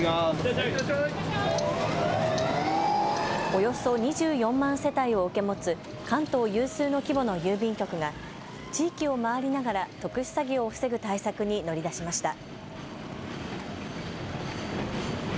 およそ２４万世帯を受け持つ関東有数の規模の郵便局が地域を回りながら特殊詐欺を防ぐ対策に乗り出しました。